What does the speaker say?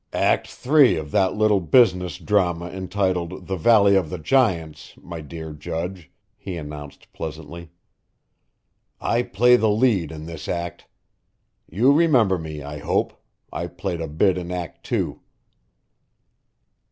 "Act Three of that little business drama entitled 'The Valley of the Giants,' my dear Judge," he announced pleasantly. "I play the lead in this act. You remember me, I hope. I played a bit in Act Two."